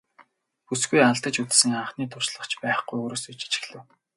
Бүсгүй алдаж үзсэн анхны туршлага ч байхгүй өөрөөсөө ичиж эхлэв.